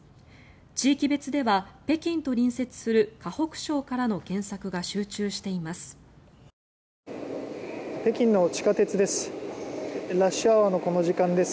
地域別では北京と隣接する河北省からの検索が集中しています。